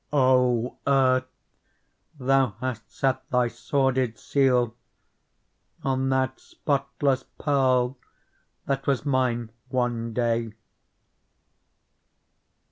O Earth ! thou hast set thy sordid seal On that spotless Pearl that was mine one day